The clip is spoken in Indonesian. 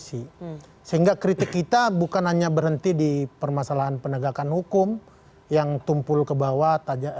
sehingga kritik kita bukan hanya berhenti di permasalahan penegakan hukum yang tumpul ke bawah